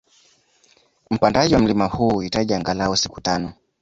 Mpandaji wa mlima huu huhitaji angalau siku tano